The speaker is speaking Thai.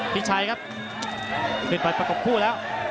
พิชัยครับเป็นปัจประกบคู่แล้ว